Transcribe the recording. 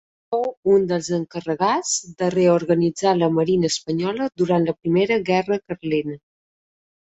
Fou un dels encarregats de reorganitzar la marina espanyola durant la Primera Guerra Carlina.